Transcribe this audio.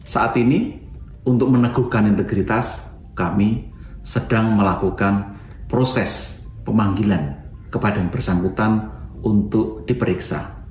saat ini untuk meneguhkan integritas kami sedang melakukan proses pemanggilan kepada yang bersangkutan untuk diperiksa